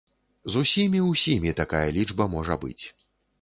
З усімі-ўсімі такая лічба можа быць.